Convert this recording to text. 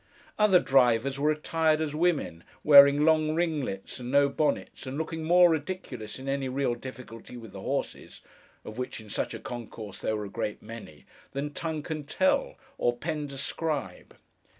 Other drivers were attired as women, wearing long ringlets and no bonnets, and looking more ridiculous in any real difficulty with the horses (of which, in such a concourse, there were a great many) than tongue can tell, or pen describe.